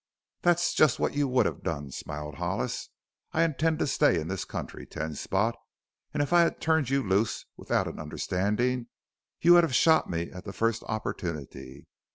"That's just what you would have done," smiled Hollis. "I intend to stay in this country, Ten Spot, and if I had turned you loose without an understanding you would have shot me at the first opportunity.